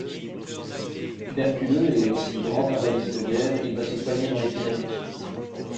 Tuberculeux et grand invalide de guerre, il va se soigner dans les Pyrénées.